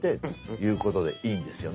いうことでいいんですよね？